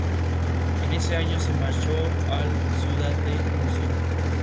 En ese año se marchó al Ciudad de Murcia.